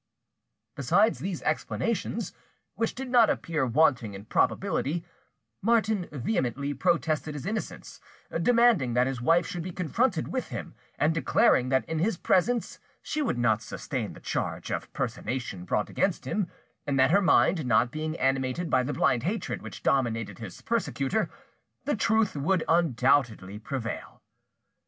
Besides these explanations, which did not appear wanting in probability, Martin vehemently protested his innocence, demanding that his wife should be confronted with him, and declaring that in his presence she would not sustain the charge of personation brought against him, and that her mind not being animated by the blind hatred which dominated his persecutor, the truth would undoubtedly prevail.